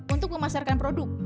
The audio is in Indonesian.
untuk memasarkan produk